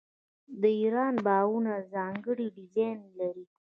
د ایران باغونه ځانګړی ډیزاین لري.